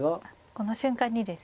この瞬間にですね。